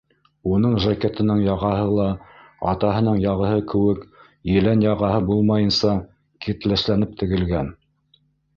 Уның жакетының яғаһы ла, атаһының яғаһы кеүек елән яғаһы булмайынса, киртләсләнеп тегелгән.